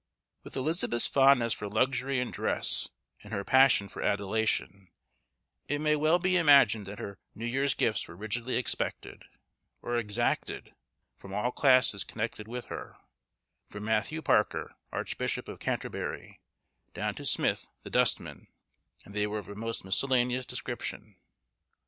With Elizabeth's fondness for luxury and dress, and her passion for adulation, it may well be imagined that her New Year's Gifts were rigidly expected, or exacted, from all classes connected with her; from Matthew Parker, Archbishop of Canterbury, down to Smyth the dustman; and they were of a most miscellaneous description.